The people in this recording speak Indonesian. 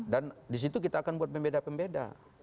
dan di situ kita akan membuat pembeda pembeda